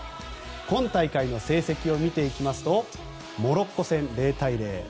今大会の成績を見ていきますとモロッコ戦、０対０。